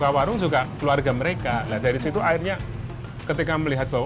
ke warung juga keluarga mereka nah dari situ akhirnya ketika melihat bahwa